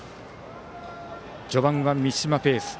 序盤は三島ペース。